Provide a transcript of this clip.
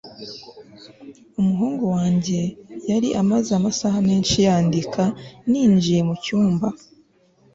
umuhungu wanjye yari amaze amasaha menshi yandika ninjiye mucyumba